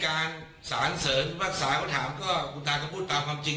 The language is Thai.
การสารเสริมและสารข้อถามก็กูถามกันพูดตามความจริง